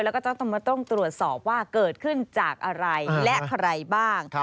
แล้วก็ต้องตรวจสอบว่าเกิดขึ้นจากอะไรและใครบ้าง